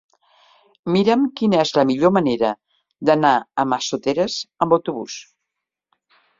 Mira'm quina és la millor manera d'anar a Massoteres amb autobús.